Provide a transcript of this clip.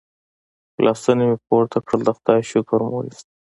لاسونه مې پورته کړل د خدای شکر مو وایست.